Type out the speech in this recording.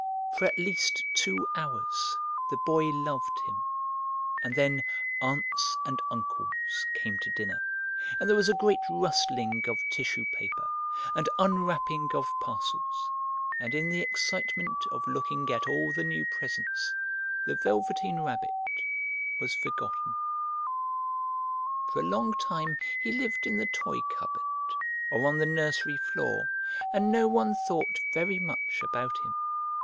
For at least two hours the Boy loved him, and then Aunts and Uncles came to dinner, and there was a great rustling of tissue paper and unwrapping of parcels, and in the excitement of looking at all the new presents the Velveteen Rabbit was forgotten. Christmas Morning For a long time he lived in the toy cupboard or on the nursery floor, and no one thought very much about him.